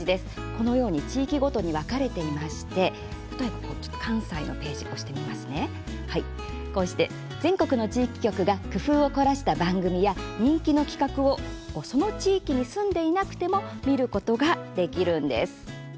このように地域ごとに分かれていて全国の地域局が工夫を凝らした番組や人気の企画をその地域に住んでいなくても見ることができます。